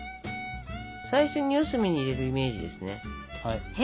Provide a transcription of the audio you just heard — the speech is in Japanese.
最初に四隅に入れるイメージですね。